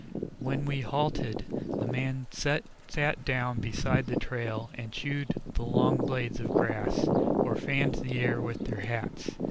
When we halted, the men sat down beside the trail and chewed the long blades of grass, or fanned the air with their hats.